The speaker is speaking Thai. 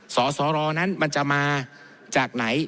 สสรนั้นมันจะมาจากไหน